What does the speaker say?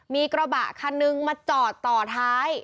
มีกระบะคันนึงมาจอดต่อท้าย